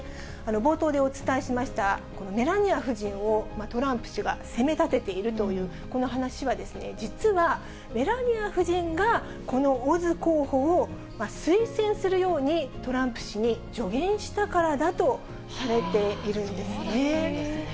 冒頭でお伝えしました、このメラニア夫人をトランプ氏が責めたてているという、この話は、実は、メラニア夫人が、このオズ候補を推薦するようにトランプ氏に助言したからだとされそうだったんですね。